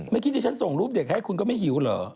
ไม่คิดว่าฉันส่งรูปเด็กให้คุณก็ไม่หิวเหรอ